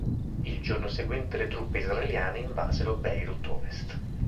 Il giorno seguente le truppe israeliane invasero Beirut Ovest.